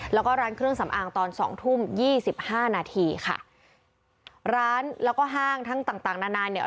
แล้วก็ร้านเครื่องสำอางตอนสองทุ่มยี่สิบห้านาทีค่ะร้านแล้วก็ห้างทั้งต่างต่างนานาเนี่ย